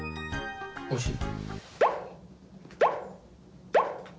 おいしい？